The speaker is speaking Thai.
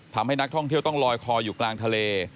ทำให้นักท่องเที่ยวต้องลอยคออยู่กลางทะเล